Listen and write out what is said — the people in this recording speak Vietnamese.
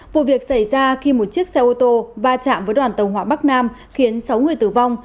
vụ việc xảy ra khi một chiếc xe ô tô va chạm với đoàn tàu hỏa bắc nam khiến sáu người tử vong